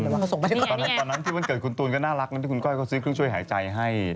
ตอนนั้นตอนนั้นที่วันเกิดคุณตูนก็น่ารักนะที่คุณก้อยก็ซื้อเครื่องช่วยหายใจให้